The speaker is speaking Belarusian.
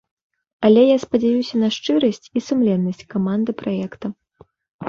Але я спадзяюся на шчырасць і сумленнасць каманды праекта.